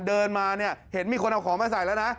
เดินมาเนี่ยเห็นมีคนเอาของมาใส่แล้วนะ